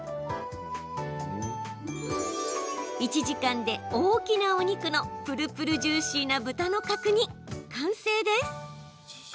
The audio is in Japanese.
１時間で、大きなお肉のぷるぷるジューシーな豚の角煮完成です。